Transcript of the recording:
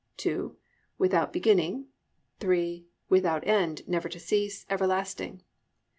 (2) "Without beginning." (3) "Without end, never to cease, everlasting."